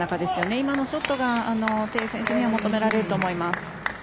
今のショットがテイ選手には求められると思います。